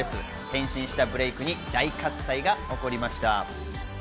変身したブレイクに大喝采が起こりました。